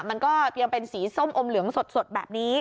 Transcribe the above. มันก็ยังเป็นสีส้มอมเหลืองสดแบบนี้